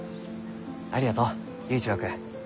ありがとう佑一郎君。